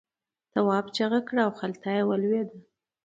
تواب چیغه کړه او خلته یې ولوېده.